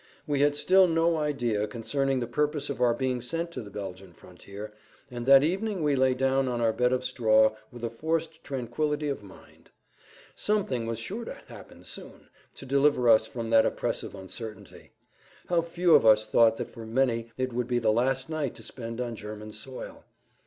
We had still no idea concerning the purpose of our being sent to the Belgian frontier, and that evening we lay down on our bed of straw with a forced tranquillity of mind. Something was sure to happen soon, to deliver us from that oppressive uncertainty. How few of us thought that for many it would be the last night to spend on German soil!